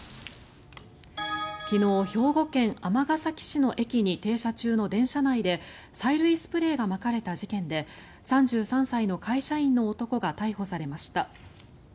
昨日、兵庫県尼崎市の駅に停車中の電車内で催涙スプレーがまかれた事件で３３歳の会社員の男が逮捕されました。